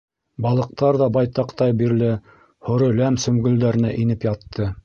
Балыҡтар ҙа байтаҡтай бирле һоро ләм сөмгөлдәренә инеп ятты.